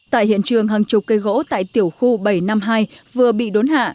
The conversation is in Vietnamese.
tại hiện trường hàng chục cây gỗ tại tiểu khu bảy trăm năm mươi hai vừa bị đốn hạ